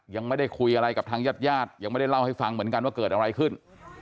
ยังไม่ได้คุยอะไรกับทางญาติญาติยังไม่ได้เล่าให้ฟังเหมือนกันว่าเกิดอะไรขึ้น